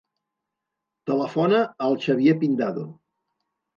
Telefona al Xavier Pindado.